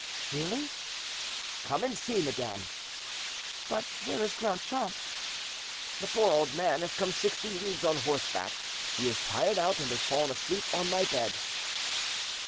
"Really?" "Come and see, madame." "But where is Grandchamp?" "The poor old man has come sixty leagues on horseback; he is tired out, and has fallen asleep on my bed."